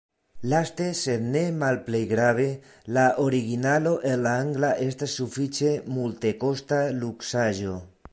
Laste, sed ne malplej grave, la originalo en la angla estas sufiĉe multekosta luksaĵo.